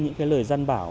những cái lời gian bảo